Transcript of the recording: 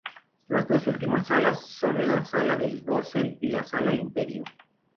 Las dos últimas salas son la sala del dosel y la sala Imperio.